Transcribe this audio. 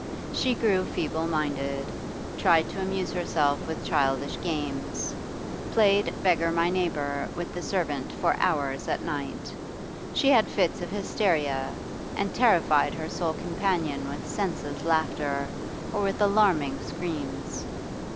She grew feeble minded, tried to amuse herself with childish games, played 'Beggar My Neighbour' with the servant for hours at night. She had fits of hysteria, and terrified her sole companion with senseless laughter, or with alarming screams.